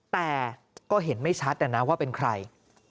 แต่ก็เห็นไม่ชัดนะว่าเป็นใคร